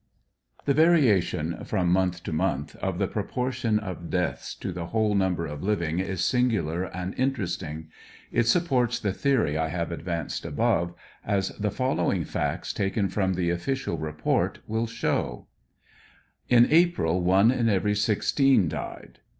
The variation— from month to month— of the proportion of deaths to the whole number of living is singular and interesting. It sup ports the theory I have advanced above, as the following facts taken from the official report, will show : In April one in every sixteen died.